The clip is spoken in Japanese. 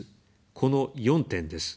この４点です。